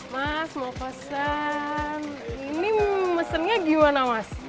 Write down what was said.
mas mau pesen ini mesennya gimana mas